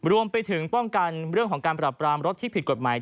รวมไปถึงป้องกันเรื่องของการปรับปรามรถที่ผิดกฎหมาย